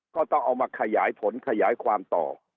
ก็ต้องเอามาขยายผลขยายความต่อ